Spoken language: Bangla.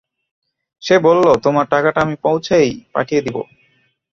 সে বলল, তোমার টাকাটা আমি পৌঁছেই পাঠিয়ে দিব।